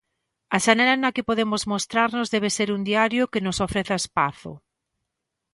A xanela na que podemos mostrarnos debe ser un diario que nos ofreza espazo.